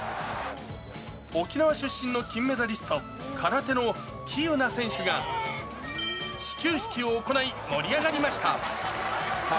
沖縄出身の金メダリスト、空手の喜友名選手が、始球式を行い、盛り上がりました。